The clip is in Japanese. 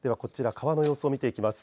川の様子を見ていきます。